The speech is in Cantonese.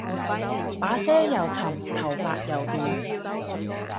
把聲又沉頭髮又短